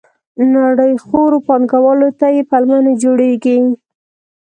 نړیخورو پانګوالو ته یې پلمه نه جوړېږي.